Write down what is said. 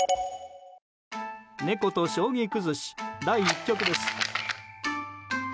猫と将棋崩し、第１局です。